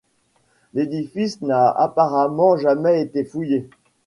L'édifice n'a apparemment jamais été fouillé.